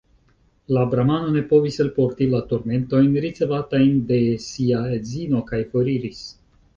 La bramano ne povis elporti la turmentojn, ricevatajn de sia edzino, kaj foriris.